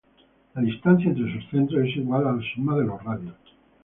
La distancia entre sus centros es igual a la suma de los radios.